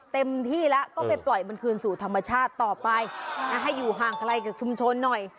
เต็มที่แล้วก็ไปปล่อยมันคืนสู่ธรรมชาติต่อไปให้อยู่ห่างไกลกับชุมชนหน่อย